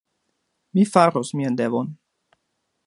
Mi faros mian devon.